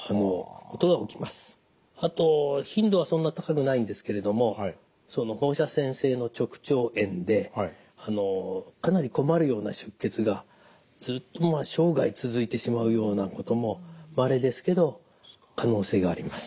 あと頻度はそんなに高くないんですけれどもその放射線性の直腸炎でかなり困るような出血がずっと生涯続いてしまうようなこともまれですけど可能性があります。